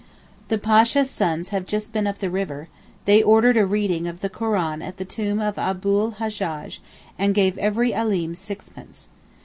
The Pasha's sons have just been up the river: they ordered a reading of the Koran at the tomb of Abu l Hajjaj and gave every Alim sixpence.